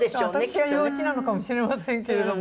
私が幼稚なのかもしれませんけれども。